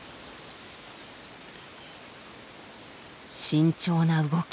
慎重な動き。